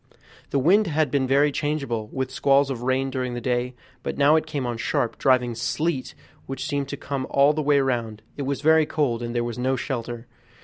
The wind had been very changeable, with squalls of rain during the day, but now it came on sharp, driving sleet, which seemed to come all the way round; it was very cold, and there was no shelter.